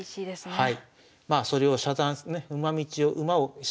はい。